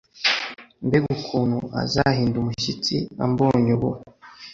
mbega ukuntu azahinda umushyitsi ambonye ubu